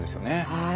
はい。